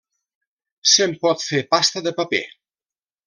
Se'n pot fer pasta de paper.